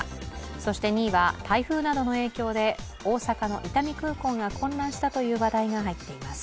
そして２位は台風などの影響で大阪の伊丹空港が混乱したなどの話題が入っています。